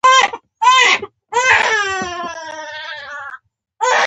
صفت الله زاهدي مو احساساتي کړ.